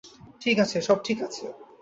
ঠিক আছে, সব ঠিক আছে।